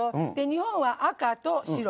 日本は赤と白。